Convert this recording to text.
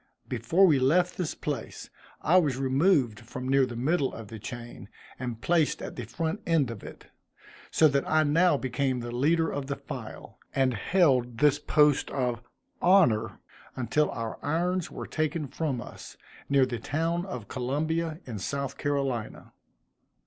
Before we left this place, I was removed from near the middle of the chain, and placed at the front end of it; so that I now became the leader of the file, and held this post of honor until our irons were taken from us, near the town of Columbia in South Carolina.